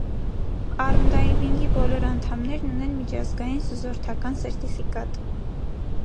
Արմդայվինգի բոլոր անդամներն ունեն միջազգային սուզորդական սերտիֆիկատ։